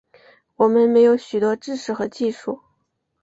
我们没有许多知识和技术